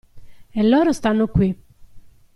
E loro stanno qui!